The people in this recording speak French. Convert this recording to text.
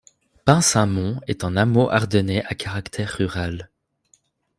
Pinsamont est un hameau ardennais à caractère rural.